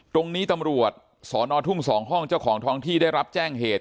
ตรงนี้ตำรวจสอนอทุ่ง๒ห้องเจ้าของท้องที่ได้รับแจ้งเหตุ